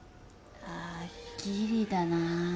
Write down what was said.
あギリだな。